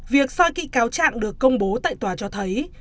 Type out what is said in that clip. việc soi kỹ cáo trạng được công bố tại tòa cho thấy